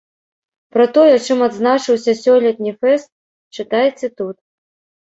Пра тое, чым адзначыўся сёлетні фэст, чытайце тут!